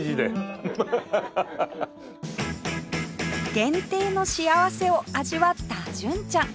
限定の幸せを味わった純ちゃん